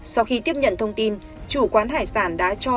sau khi tiếp nhận thông tin chủ quán hải sản đã cho